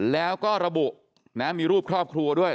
แล้วก็ระบุนะมีรูปครอบครัวด้วย